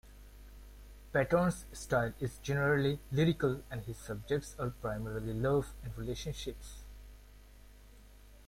Patten's style is generally lyrical and his subjects are primarily love and relationships.